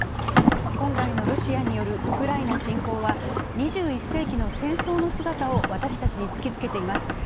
今回のロシアによるウクライナ侵攻は２１世紀の戦争の姿を私たちに突きつけています。